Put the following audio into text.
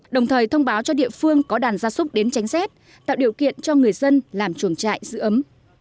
đồng thời thông báo cho địa phương có đàn gia súc đến tránh xét tạo điều kiện cho người dân làm chuồng trại giữ ấm